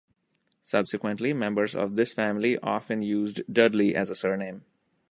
Subsequently, members of this family often used Dudley as a surname.